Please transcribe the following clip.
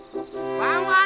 ワンワン